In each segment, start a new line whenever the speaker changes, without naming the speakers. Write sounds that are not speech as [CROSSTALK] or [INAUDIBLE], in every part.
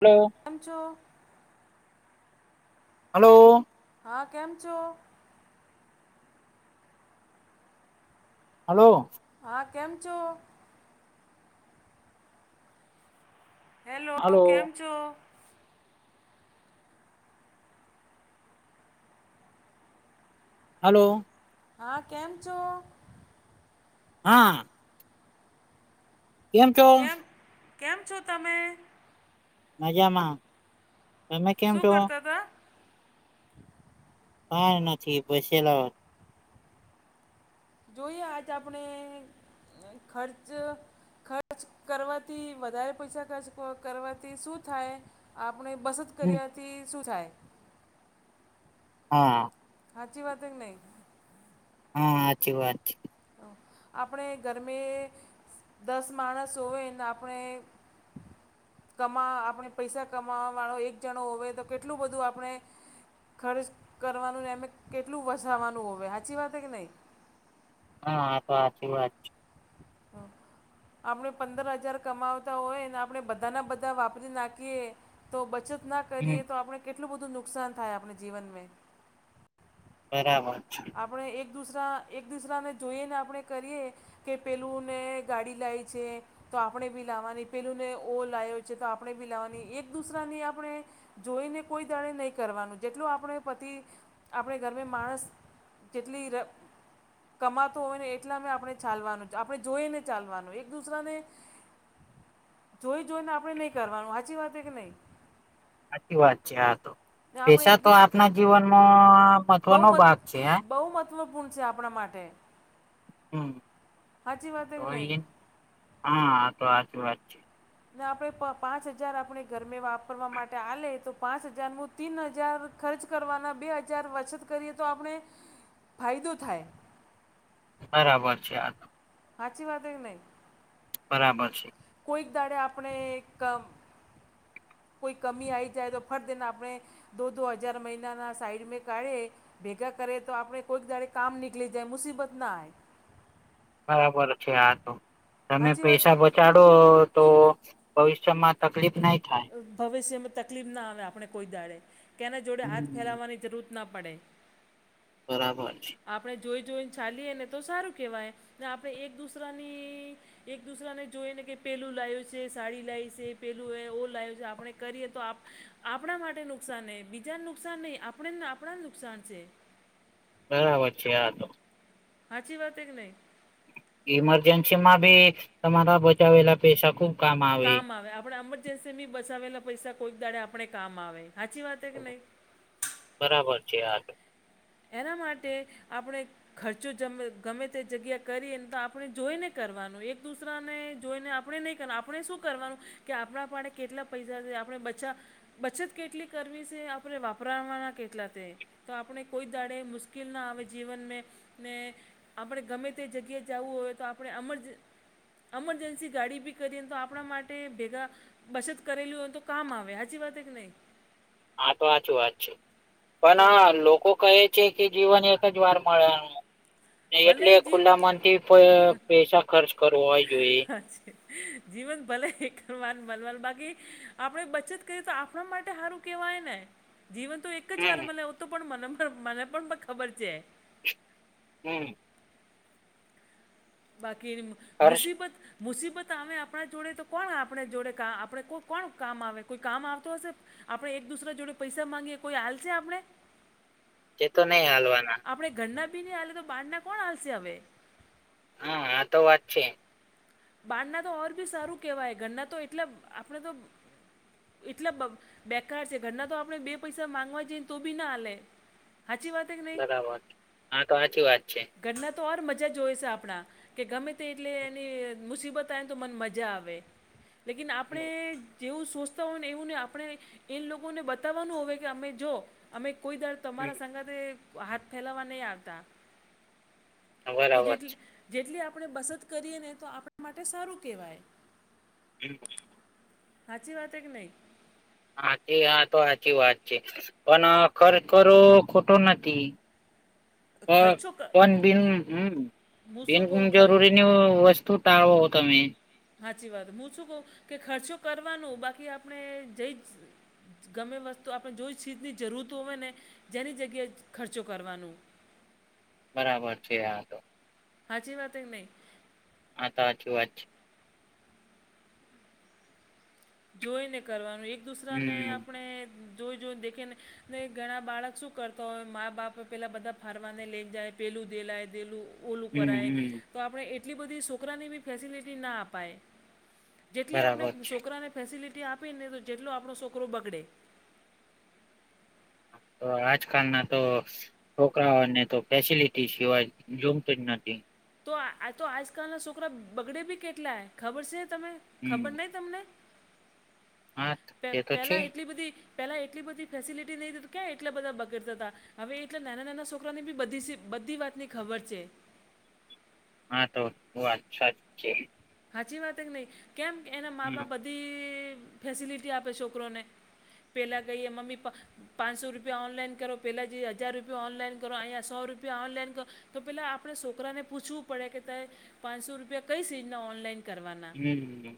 હાલો
કેમ છો?
હાલો
હા કેમ છો?
હાલો
હા કેમ છો? હેલો કેમ
હલો
છો?
હાલો
હા કેમ છો?
હા
કેમ કેમ છો તમે?
મજામાં તમે કેમ
શું
છો?
કરતા હતા?
હ નથી બેસેલા [UNINTELLIGIBLE]
જોઈએ આજ આપણે ખર્ચ ખર્ચ કરવાથી વધારે પૈસા ખર્ચ કરવાથી શું થાય? આપણે બસત કર્યાથી શું થાય?
હા
હાચી વાત કે નહી?
હા સાચી વાત છે.
આપણે ઘરમે દસ માણસ હોય ને આપણે કમા આપણે પૈસા કમાવાવાળો એક જણો હોય તો કેટલું બધું આપણે ખર્ચ કરવાનું ને એમે કેટલું બસાાવવાનું હોય સાચી વાત કે નહીં
હા હા આતો સાચી વાત છે.
હ આપણે પંદર હજાર કમાવતા હોય ને આપણે બધાના બધા વાપરી નાખીએ તો બચત ના
હમ
કરીએ તો આપણે કેટલું બધું નુકસાન થાય આપણે જીવનમાં
બરાબર
આપણે એક દુસરા એક દુસરાને જોઈએ ને આપણે કરીએ કે પેલું ને ગાડી લાયી છે. તો આપણે બી લાવવાની પેલુંને ઓ લાવ્યો છે તો આપણે બી લાવવાની એક દુસરાની આપણે જોઈને કોઈ દાળે નહીં કરવાનું જેટલું આપણે પતિ આપણે ઘરમે માણસ કેટલી ર. કમાતો હોય ને એટલા મેં આપણે ચાલવાનું આપણે જોઈને ચાલવાનું એક દુસરાને જોઈ જોઈને આપણેે નહી કરવાનું હાચી વાત કે નહી?
સાચી વાત છે હા તો પૈસા તો
દુસ
આપના જીવનમાં
બહુ
મહત્વનો
મત
ભાગ છે.
બહુ મહત્વપૂર્ણ છે આપણા માટે
હમ
સાચી વાત
તો
કે નહીં
એ હા તો હાચી વાત છે.
ના આપે પ પાંચ હજાર આપણે ઘરમે વાપરવા માટે હાલે તો પાંચ હજાર મુ તીન હજાર ખર્ચ કરવાના બે હજાર વચત કરીએ તો આપણે ફાયદો થાય.
બરાબર છે આ તો.
હાચી વાત હે કે નહિ.
બરાબર છે.
કોઈક દાડે આપણે એકમ કોઈ કમી આવી જાય તો ફટ દેને આપણે દો દો હજાર મહિનાના સાઈડ મે કાઢે ભેગા કરે તો આપણે કોઈક દાડે કામ નીકળી જાય મુસીબત ના આયે.
બરાબર છે આ તો તમે
વાત
પૈસા બ ચાડો તો ભવિષ્યમાં તકલીફ નહી થાય.
ભવિષ્યમાં તકલીફ ના આવે આપણે કોઈ દાડે કેના જોડે હાથ
હમ
ફેલાવવાની જરૂત ના પડે.
બરાબર છે.
આપણે જોઈ જોઈને ચાલીએ ને તો સારું કહેવાય ને આપણે એક દુસરાની એક દુસરાને જોઈ ને કે પેલું લાઈવ સે સાડી લાઈ સે પેલું ઓલ લાઈફ છે આપણે કરીએ તો આપ આપણા માટે નુકસાન નહી બીજાને નુકસાન નહી આપણેને આપણાને નુ નુકસાન છે.
બરાબર છે આ તો.
હાચી વાત હે કે નહી.
ઈમરજન્સી માં બી તમારા બચાવેલા પૈસા ખુબ
કામ આવે આપણે એમરજન્સી બી બચાવેલા પૈસા કોઈક દાડે આપણે કામ આવે હાચી વાત કે નહી
બરાબર છે આ તો.
એના માટે આપણે ખર્ચો જમે ગમે તે જગ્યા કરીને તો આપણે જોઈને કરવાનો એક દુસરાને જોઈને આપ આપણે નહીં કરવા આપણે શું કરવાનું કે આપણા માટે કેટલા પૈસા છે આપણે બચ્ચા બચત કેટલી કરવી છે આપણે વાપરાવાના કેટલા તે તો આપણે કોઈ દાડે મુશ્કિલ ના આવે જીવન મે ને આપણે ગમે તે જગ્યાએ જાવું હોય તો આપણે અમજ એમરજેન્સી ગાડી બી કરીયે ને તો આપણા માટે ભેગા બચત કરેલુ હોય તો કામ આવે હાચી વાત કે નહી.
હા તો હાચુ હાચી પણ
તો
આ લોકો કઈ. છે કે જીવન એક જ વાર મળવાનું એ
ભલે
એટલે
જી
ખુલ્લા મન થી પ પૈસા ખર્ચ કરવો હોયા જોઈએ.
હા છે જીવન ભલે એક માન મલવાનુ બાકી આપણેે બચત કરીએ તો આપણા માટે સારું કેવાય ને જીવન તો એક જ
હમ
વાર મલે આવુ તો પણ મને મને પણ ખબર છે.
હમ.
બાકી
ખર્ચ
મુસીબત મુસીબત આવે આપણા જોડે તો કોણ આપણે જોડે કા આપણે કો કોણ કામ આવે કોઈ કામ આવતો હશે. આપણે એક દુસરા જોડે પૈસા માંગીએ કોઈ હાલશે આપણે
એ તો નહી હાલવાના
આપણે ઘરના બી ની હાલે તો બહારના કોણ હાલશે હવે.
હા આ તો વાત છે.
બાર ના તો ઓર બી સારું કેહેવાય ઘરના તો એટલે આપણે તો એટલા બેકાર છે ઘરના તો આપણે બે પૈસા માંગવા જઈએને તો પણ ના આપે. સાચી વાત.
બરાબર હા તો સાચી વાત છે.
ઘરના તો ઓર મજા જોય છે આપણા કે ગમે તે એટલે એની, મુસીબત આવેન તો મને મજા આવે લેકિન આપણે, જેવું વિચરતા હોય એવું ને આપણે એ લોકોને બતાવાનું હોય કે અમે જો અમે કોઈ દર,
હમ
તમારા સાથે હાથ ફેલાવા નહી આવતા તો
બરાબર
જેટલી, જેટલી આપણે બચત કરીએ ને તો આપણા માટે સારું કહેવાય.
બિલકુલ.
સાચી વાત છે કે નહીં.
સાચી આતો સાચી વાત છે. પણ ખરેખરો ખોટો નથી. હા
ખર્ચો ક-
કોણ
હું-
બિન
શું
હું
કહું ખર
જરૂરી, તે વસ્તુ તાળો તમે,
સાચી વાત મે શું કહ્યું કે ખર્ચો કરવાનો બાકી આપણે જઈ જ, ગમે વસ્તુ આપણે જોઈ છે ચીજની જરૂરતો હોય ને જેની જગ્યા એજ ખર્ચો કરવાનું. [INAUDIBLE]
બરાબર છે આતો.
સાચી વાત છે કે નહીં.
આતો સાચી વાત છે.
જોઈને કરવાનું એક બીજાને
હમ
આપણે જો જો જોઈને, ને ઘણા બાળક શું કરતા હોય માં-બાપ પેલા બધા ફરવાને લઈ જાય પેલું દેખાય પેલું, પેલું
હમ
કરાય
હમ
તો આપણે એટલી બધી છોકરાને પણ ફેસિલિટી ના અપાય. જેટલી આપણે
બરાબર છે
છોકરાને ફેસિલિટી આપીને તો જેટલો આપણો છોકરો બગડે.
તો આજકાલ ના તો, છોકરાઓને તો ફેસિલિટી સિવાય જોતું જ નથી
તો આતો આજકાલના છોકરા બગડે પણ કેટલા ખબર છે તમે
હમ
ખબર નહી તમને,
હા. તે તો છે
પેલા એટલી બધી પેલાં એટલી બધી ફેસિલિટી નહીં તો ક્યાં એટલા બધા બગડતા હતા. હવે એટલા નાના નાના છોકરા ને પણ બધી વાતની ખબર છે.
હા તો વાત સાચી છે.
સાચી વાત એક નહિ કેમ એના મા
હમ
બાપ બધી ફેસિલિટી આપે છોકરોને, પેલા ગઈ એ મમ્મી પા, પાંચસો રૂપિયા ઓનલાઈન કરો પહેલાં જે હજાર રૂપિયા ઓનલાઇન કરો અહીંયા સો રૂપિયા ઓનલાઇન ક, તો પેલા આપણે છોકરાને પૂછવું પડે કે ત પાંચસો રૂપિયા કઈ શીઝના ઓનલાઈન, કરવાના
હમ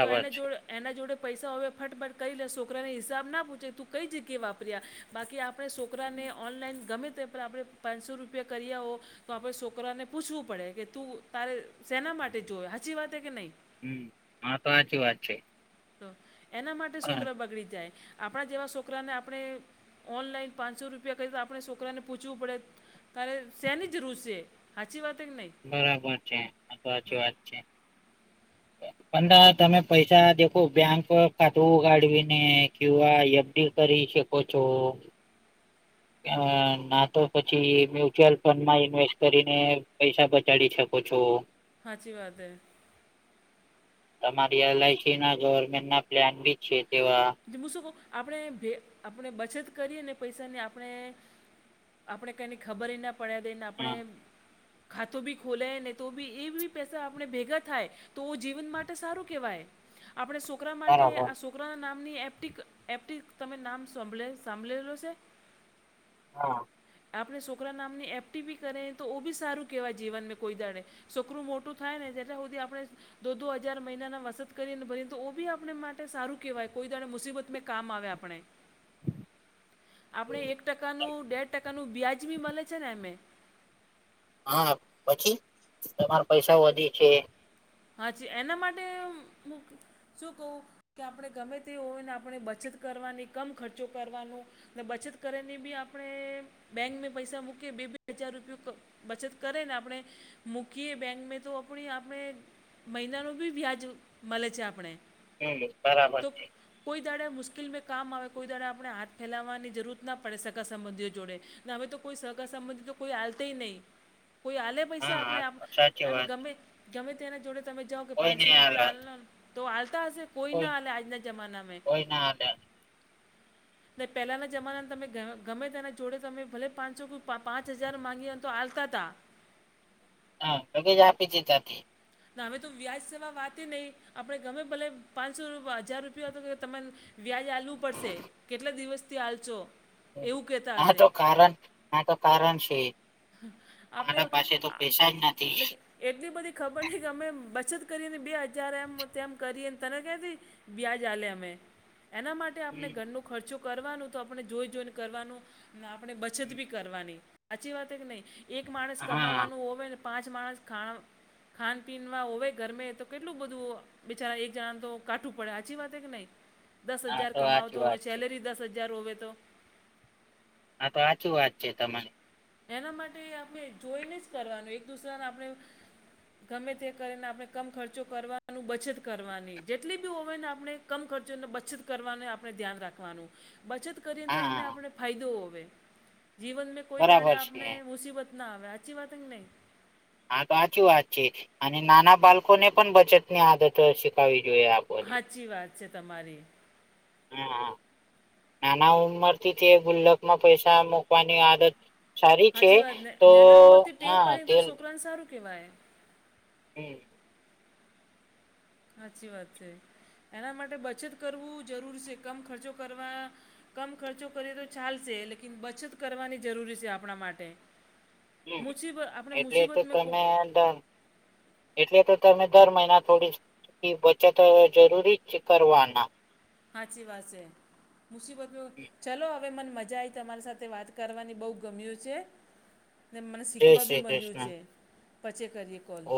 તો એના
છે
જોડ, એના જોડે પૈસા હવે ફટાફટ કરી લે છોકરાને હિસાબ ના પૂછે તું કઈ જગ્યા વાપર્યા, બાકી આપણે છોકરાને ઓનલાઈન ગમે તે પણ આપણે પાંચસો રૂપિયા કરીયા વો. તો આપણે છોકરાને પૂછવું પડે કે તું તાર સેના માટે જોયે સાચી વાત છે કે નહીં.
હમ આ તો સાચી વાત છે.
હા એના માટે છોકરા બગડી જાય. આપણા જેવા સોકરાને આપણે ઓનલાઈન પાંચસો રૂપિયા કરીએ તો આપણે છોકરાને પૂછવું પડે, તાર શેની જરૂર સે સાચી વાત છેકે નહી.
બરાબર છે આ તો સાચી વાત છે. પણ તમે પૈસા દેખો બેંક ખાતું ઉગાડવી ને કે એફડી, કરી શકો છો. હા તો પછી મ્યુચ્યલ ફંડમાં ઇન્વેસ્ટ કરીને પૈસા બચાવી શકો, ઓછો,
સાચી વાતે,
તમારી એલઆઈસી ના જોવે તે ના પ્લાન પણ છે તેવા,
તે હું શું કઉ આપણે ભે આપણે બચત કરી અને પૈસાની આપણે, આપણે કેની ખબરે ના પડે દે ને આપણે,
હમ
ખાતું બી ખોલે ને તો બી એબી પૈસા આપણે ભેગા થાય. તો જીવન માટે સારું કેહેવાય આપણે સોકરા માટે
બરાબર
આ સોકરાના નામ, નામની એફ ડિક, એફ ડી તમે નામ સામભળે સાંભળેલો સે.
હા,
આપણે છોકરા નામની એફટી બી કરે તો ઓ બી સારું કેહેવાય જીવન મે કોઈ દાડે. છોકરું મોટું થાય ને જેટં સુધી આપણે, દો દો હજાર મહિનાના વસત કરીને ભરી તો ઓ બી આપડે માટે સારું કેવાય. કોઈ દાણે મુસીબત મેં કામ આવે આપણે. આપણે એક ટકાનું દેઢ ટકાનું વ્યાજબી મળે છે ને એમેય.
હા પછી તમારે પૈસા વધી છે.
હાજી એના માટે હું શું કહું. કે આપણે ગમે તે હોને આપણે બચત કરવાની કમ ખર્ચો કરવાનો. અને બચત કરેને બી આપણે બેંકમાં પૈસા મૂકી બે બે હજાર રૂપયો ક બચત કરે ને આપણે મૂકીએ બેંક મે તો આપણી આપણે, મહિનાનું બી વ્યાજ મળલેે છે, આપણે.
હમ બરાબર
તો
છે.
કોઈ દાડે મુશ્કેલ મે કામ આવે કોઈ દાડે આપણે હાથ ફેલાવવાની જરૂર ના પડે સગા સંબંધીઓ જોડે. હવે તો કોઈ સહકાર સંબંધી તો કોઈ આલતે નહીં, કોઈ આલે, પૈસા આપણે
હા સાચી
એ
વાત
ગમે ગમે તેના જોડે તમે જાઓ કે
કોઈ
પાંચસો
નઈ હાલે
રૂપિયા આલ, તો આલતા હશે કોઈ ના આલે આજના જમાના મે,
કોઈ ના હાલે
પહેલાંના જમાનાને તમે ગમે તેના જોડે તમે ભલે પાંચસો ક પાંચ હજાર માગીને તો આલતા હતા.
હા લગે જ આપી દીધા તે,
ના હવે તો વ્યાજ સેવા વાત નહીં આપણે ગમે ભલે પાંચસો હજાર રૂપિયા હતો કે તમન, વ્યાજ આલવું પડશે કેટલા દિવસથી આલચો.
આ તો કારણ, આ તો કારણ છે.
આપણે
મારા પાસે તો
આ
પૈસા જ નથી.
લાઈક એટલી બધી ખબર ન કે અમે બચત કરીને બે હજાર એમ તેમમ કરીને તને કહેથી. વ્યાજ આલે અમે એના માટે આપણે ઘરનો ખર્ચો કરવાનું તો આપણે જોઈ જોઈને કરવાનું ને આપણે બચત બી કરવાની. સાચી વાત કે નહીં એક માણસ
હા હા
કમાવાનું હોવે ને પાંચ માણસ ખાણ ખાન પીનમાં હોવે ઘરમે તો કેટલું બધું, બિચારા એક જણાને તો કાઠું પડે હાચી વાતે હે કે નહી. દસ
આ
હજાર
તો સાચી
કમાવતો
વાત
હોય
છે
સેલેરી દસ હજાર હોવે તો,
હા તો આચી વાત છે તમારી,
એના માટે આપણે જોઈને જ કરવાનું એક દુસરાને આપણે, ગમે તે કરીને આપણે કમ ખર્ચો કરવાનું બચત કરવાની જેટલી બી ઓવેન આપણે, કમ ખર્ચોને બચત કરવાનું આપણે ધ્યાન રાખવાનું. બચત કરીએને તો એમને
હા
આપણે ફાયદો હોવે જીવનમાં કોઈ દાણે
બરાબર છે.
આપણે મુસીબત, ના આવે હાચી વાતંગ નહીં.
હા તો સાચી વાત છે, અને નાના બાળકો ને પણ બચત ની આદત શીખવી જોઈએ આપ
સાચી વાત છે તમારી.
હા નાના ઉંમરથી તે ગુલ્લક માં પૈસા મુકવાની આદત. સારી છે
સાચી વાત ને
તો હા તે,
કેહેવાય.
હમ,
સાચી વાત છે, એના માટે બચત કરવું જરૂરી છે, કમ ખર્ચો કરવા, કમ ખર્ચો કરીએ તો ચાલશે લેકિન બચત કરવાની જરૂરી છે આપણા માટે,
હમ
મુસીબત આપણે
એટલે તો
મુસીબતમાં કો-
તમે, એટલે તો તમે દર મહિના થોડી બચતો જરૂરી જ કરવાના
હાચી વાત છે મુસીબતો ચલો હવે મને મજા આઈ તમારી સાથે વાત કરવાની બહ ગમ્યું છે. ને મને
જય
શીખવા બી
શ્રી
મળ્યું
કૃષ્ણ
છે પછે કરીએ કોલ
ઓ